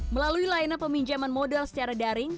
melalui layanan peminjaman modal secara daring